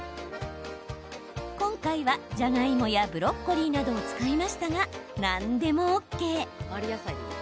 今回は、じゃがいもやブロッコリーなどを使いましたが何でもＯＫ。